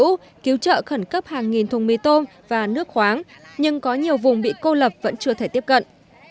lũ cứu trợ khẩn cấp hàng nghìn thùng mì tôm và nước khoáng nhưng có nhiều vùng bị cô lập vẫn chưa thể tiếp cận